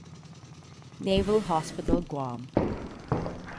Naval Hospital Guam.